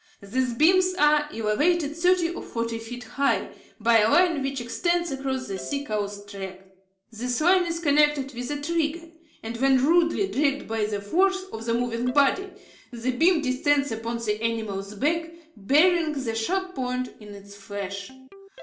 These beams are elevated thirty or forty feet high, by a line which extends across the sea cow's track. This line is connected with a trigger, and when rudely dragged by the force of the moving body, the beam descends upon the animal's back, burying the sharp point in its flesh.